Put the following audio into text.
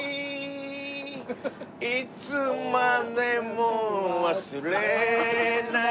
「いつまでも忘れないよ」